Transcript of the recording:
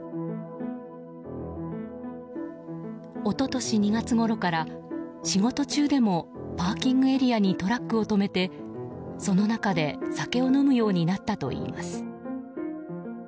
一昨年２月ごろから仕事中でもパーキングエリアにトラックを止めてその中で酒を飲むようになったといいます。